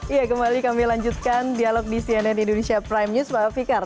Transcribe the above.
iya kembali kami lanjutkan dialog di cnn indonesia prime news pak fikar